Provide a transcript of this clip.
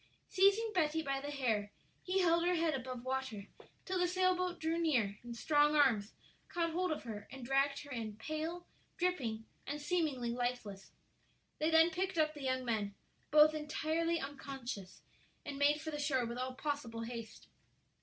Seizing Betty by the hair, he held her head above water till the sailboat drew near and strong arms caught hold of her and dragged her in, pale, dripping, and seemingly lifeless. They then picked up the young men, both entirely unconscious, and made for the shore with all possible haste.